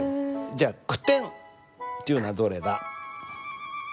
じゃ「句点」っていうのはどれだ？